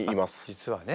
実はね。